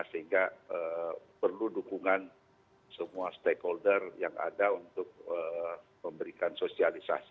sehingga perlu dukungan semua stakeholder yang ada untuk memberikan sosialisasi